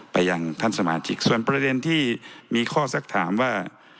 ไปยังท่านสมาชิกส่วนประเด็นที่มีข้อสักถามว่า